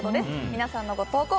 皆さんのご投稿